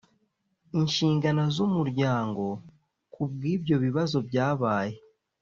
inshinganzo z umuryango ku bw ibyo bibazo byabaye